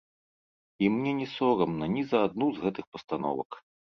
І мне не сорамна ні за адну з гэтых пастановак.